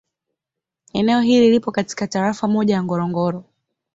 Eneo hili lipo katika Tarafa moja ya Ngorongoro